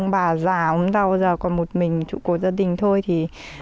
bà già ốm đau còn một mình chủ cột gia đình thôi